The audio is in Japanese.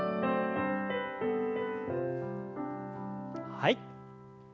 はい。